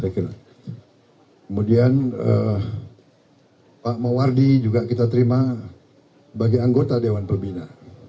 kemudian pak mawardi juga kita terima sebagai anggota dewan pembina